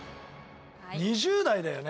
２０代だよね？